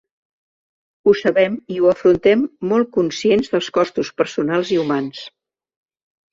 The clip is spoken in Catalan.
Ho sabem i ho afrontem molt conscients dels costos personals i humans.